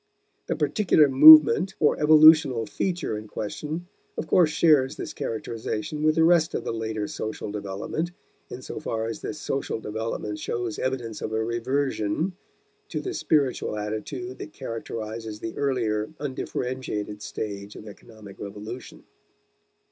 The particular movement or evolutional feature in question of course shares this characterization with the rest of the later social development, in so far as this social development shows evidence of a reversion to the spiritual attitude that characterizes the earlier, undifferentiated stage of economic revolution.